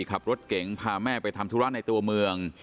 ขับรถเก๋งพาแม่ไปทำธุระในตัวเมือง